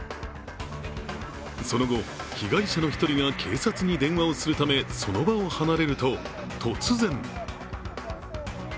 その後、被害者の一人が警察に電話をするためその場を離れると突然。